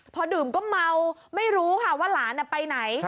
พอดื่มก็เมาไม่รู้ค่ะว่าหลานไปไหน